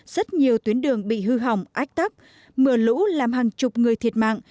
rất nhiều tuyến đường bị hư hỏng ách tắc mưa lũ làm hàng chục người thiệt mạng